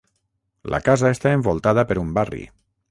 La casa està envoltada per un barri.